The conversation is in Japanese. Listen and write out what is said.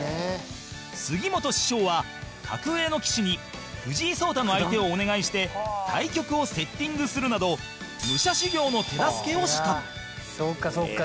杉本師匠は、格上の棋士に藤井聡太の相手をお願いして対局をセッティングするなど武者修行の手助けをした柴田：そうか、そうか。